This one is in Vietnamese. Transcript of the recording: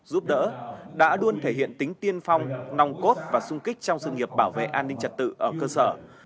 giúp đỡ đã luôn thể hiện tính tiên phong nong cốt và sung kích trong sự nghiệp bảo vệ an ninh trật tự ở cơ sở